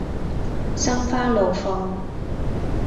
心花怒放